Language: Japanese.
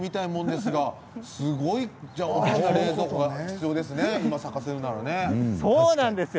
すごい冷蔵庫が必要ですね